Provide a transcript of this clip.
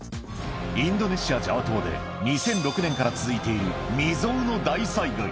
インドネシアジャワ島で２００６年から続いている未曾有の大災害